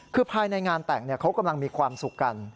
คือภายในงานแต่งเขากำลังมีความสุขกัน